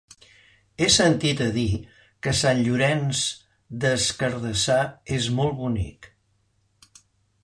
He sentit a dir que Sant Llorenç des Cardassar és molt bonic.